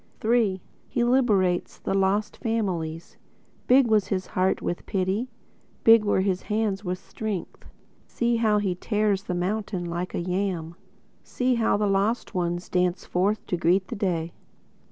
III (He liberates The Lost Families) Big was his heart with pity; Big were his hands with strength. See how he tears the mountain like a yam! See how the lost ones Dance forth to greet the day!